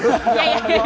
いやいや。